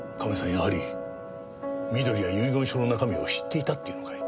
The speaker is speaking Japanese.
やはり美登里は遺言書の中身を知っていたって言うのかい？